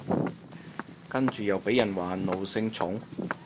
跟住又被人話奴性重